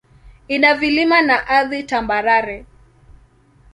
Ina vilima na ardhi tambarare.